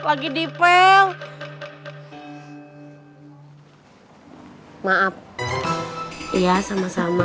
saya beli itu tapi nasze ratesan